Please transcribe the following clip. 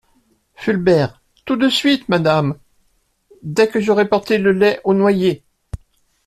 Fulbert Tout de suite, Madame … dès que j'aurai porté le lait au noyé …